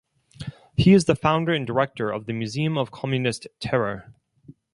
He is the founder and Director of the Museum of Communist Terror.